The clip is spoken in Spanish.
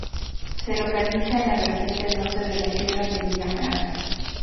Se localiza en la vertiente norte de la Sierra de Villafranca.